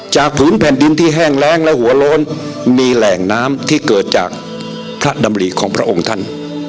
ผืนแผ่นดินที่แห้งแรงและหัวโล้นมีแหล่งน้ำที่เกิดจากพระดำริของพระองค์ท่าน